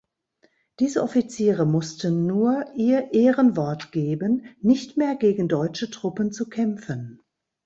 Diese Offiziere mussten nur ihr Ehrenwort geben, nicht mehr gegen deutsche Truppen zu kämpfen.